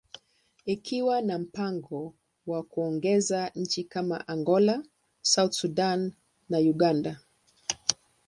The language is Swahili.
ikiwa na mipango ya kuongeza nchi kama Angola, South Sudan, and Uganda.